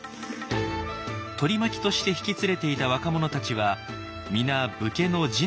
取り巻きとして引き連れていた若者たちは皆武家の次男や三男。